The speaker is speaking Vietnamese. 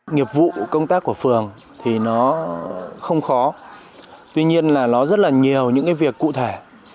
nghiệp vụ công tác của phường thì nó không khó tuy nhiên là nó rất là nhiều những cái việc cụ thể